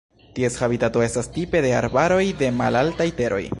Ties habitato estas tipe de arbaroj de malaltaj teroj.